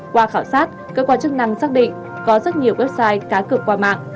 qua khảo sát cơ quan chức năng xác định có rất nhiều website cá cực qua mạng